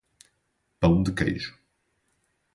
Pão de queijo